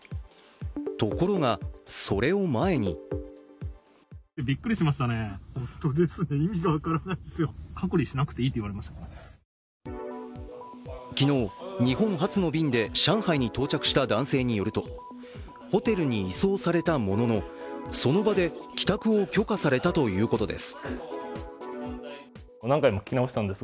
ところが、それを前に昨日、日本発の便で上海に到着した男性によるとホテルに移送されたもののその場で帰宅を許可されたということです。